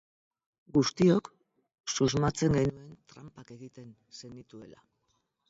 Guztiok susmatzen genuen tranpak egiten zenituela.